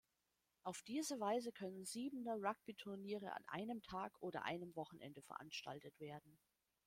Auf diese Weise können Siebener-Rugby-Turniere an einem Tag oder einem Wochenende veranstaltet werden.